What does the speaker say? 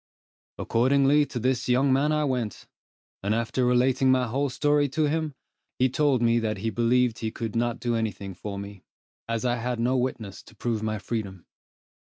Accordingly to this young man I went, and after relating my whole story to him, he told me that he believed he could not do any thing for me, as I had no witnesses to prove my freedom.